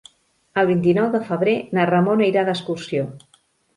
El vint-i-nou de febrer na Ramona irà d'excursió.